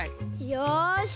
よし！